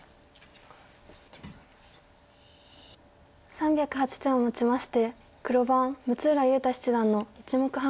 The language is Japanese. ３０８手をもちまして黒番六浦雄太七段の１目半勝ちとなりました。